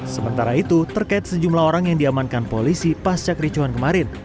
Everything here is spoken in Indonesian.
sementara itu terkait sejumlah orang yang diamankan polisi pasca kericuhan kemarin